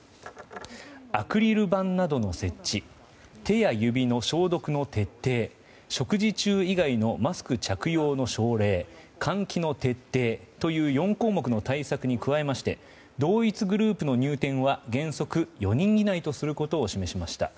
アクリル板などの設置手や指の消毒の徹底食事中以外のマスク着用の奨励換気の徹底という４項目の対策に加えまして同一グループの入店は原則４人以内とすることを示しました。